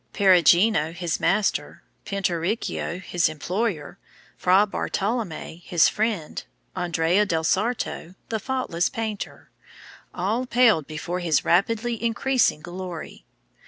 Perugino, his master; Pinturicchio, his employer; Fra Bartolommeo, his friend; Andrea del Sarto, "the faultless painter," all paled before his rapidly increasing glory.